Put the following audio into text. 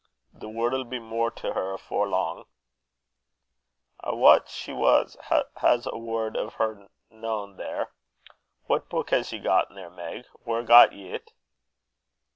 The word'll be mair to her afore lang." "I wat she has a word o' her nain there. What beuk hae ye gotten there, Meg? Whaur got ye't?"